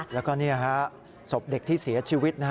แล้วก็นี่ฮะศพเด็กที่เสียชีวิตนะฮะ